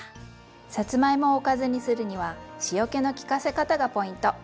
さつまいもをおかずにするには塩気の利かせ方がポイント。